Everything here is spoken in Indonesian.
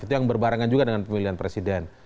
itu yang berbarengan juga dengan pemilihan presiden